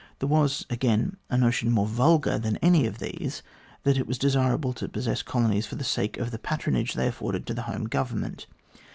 There was, again, a notion more vulgar than any of these, that it was desirable to possess colonies for the sake of the patronage they afforded to the Home Government.